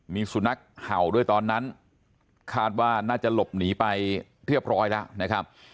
มีสุนัขเห่าด้วยตอนนั้นคาดว่าน่าจะหลบหนีไปเรียบร้อยแล้วนะครับ